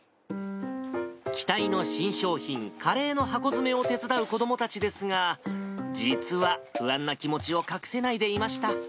期待の新商品、カレーの箱詰めを手伝う子どもたちですが、実は不安な気持ちを隠せないでいました。